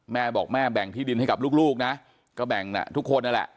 แม่บอกแม่แบ่งที่ดินให้กับลูกนะก็แบ่งทุกคนนั่นแหละ